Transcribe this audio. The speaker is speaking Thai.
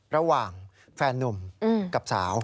ระหว่างแฟนนุ่มกับสาว